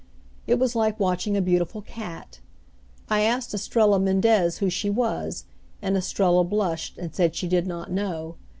It was like watching a beautiful cat. I asked Estrella Mendez who she was, and Estrella blushed, and said she did not know.